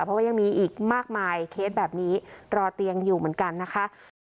เพราะว่ายังมีอีกมากมายเคสแบบนี้รอเตียงอยู่เหมือนกันนะคะ